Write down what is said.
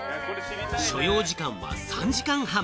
所要時間は３時間半。